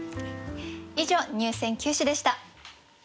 以上入選九首でした。